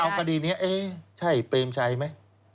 เอาคดีนี้เอ๊ะใช่เปรมชัยไหม